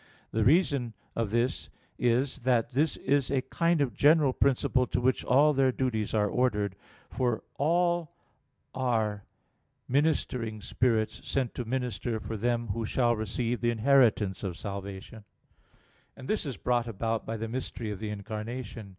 The reason of this is, that this is a kind of general principle to which all their duties are ordered. For "all are [*Vulg.: 'Are they not all.'] ministering spirits, sent to minister for them who shall receive the inheritance of salvation" (Heb. 1:14); and this is brought about by the mystery of the Incarnation.